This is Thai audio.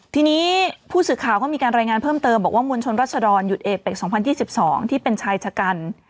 ทีนี้ผู้สื่อข่าวก็มีการรายงานเพิ่มเติมบอกว่ามวลชนรัศดรหยุดเอกเป็ก๒๐๒๒ที่เป็นชายชะกัน